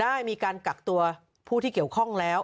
ได้มีการกักตัวผู้ที่เกี่ยวข้องแล้ว